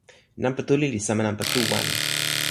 nanpa tuli li sama nanpa tu wan.